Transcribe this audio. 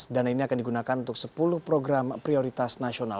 dana ini akan digunakan untuk sepuluh program prioritas nasional